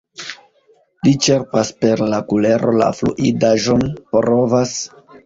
Li ĉerpas per la kulero la fluidaĵon, provas kaj kun abomeno kraĉas.